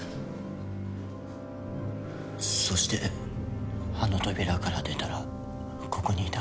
そしてあの扉から出たらここにいた。